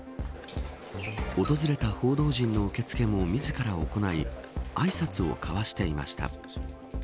訪れた報道陣の受け付けも自ら行いあいさつを交わしていました。